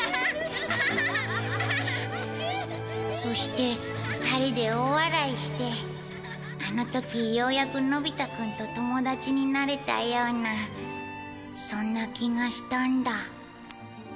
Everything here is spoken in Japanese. そして、２人で大笑いしてあの時ようやくのび太君と友達になれたようなそんな気がしたんだ。